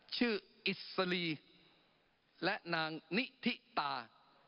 ชื่ออิสลีและนางนิธิตา